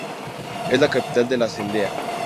Es la capital de la cendea.